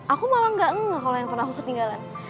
aku malah gak ngekalo yang phone aku ketinggalan